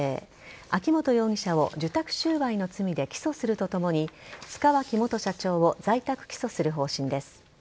秋本容疑者を受託収賄の罪で起訴するとともに塚脇元社長を在宅起訴する方針です。